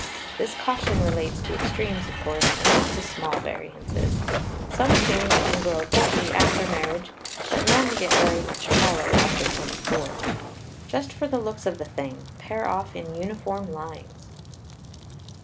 This caution relates to extremes, of course, and not to small variances. Some change and grow portly after marriage, but none get very much taller after twenty four. Just for the looks of the thing, pair off in uniform lines.